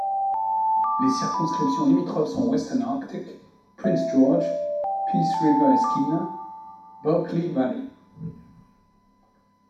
Les circonscriptions limitrophes sont Western Arctic, Prince George—Peace River et Skeena—Bulkley Valley.